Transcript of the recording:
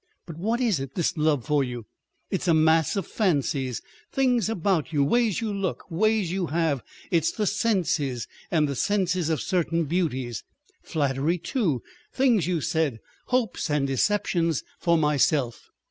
But what is it, this love for you? It's a mass of fancies—things about you—ways you look, ways you have. It's the senses—and the senses of certain beauties. Flattery too, things you said, hopes and deceptions for myself.